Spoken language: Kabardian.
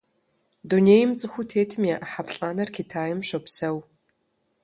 Дунейм цӀыхуу тетым я Ӏыхьэ плӀанэр Китайм щопсэу.